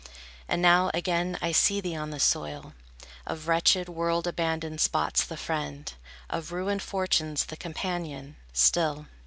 And now again I see thee on this soil, Of wretched, world abandoned spots the friend, Of ruined fortunes the companion, still.